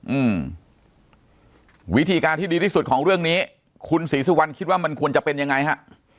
อืมวิธีการที่ดีที่สุดของเรื่องนี้คุณศรีสุวรรณคิดว่ามันควรจะเป็นยังไงฮะ